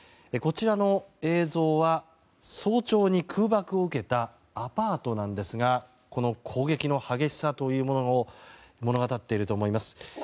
こちらの映像は早朝に空爆を受けたアパートですがこの攻撃の激しさというものを物語っていると思います。